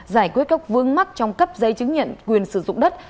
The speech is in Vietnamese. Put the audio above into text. giải quyết gốc vương mắc trong cấp dây chứng nhận quyền sử dụng đất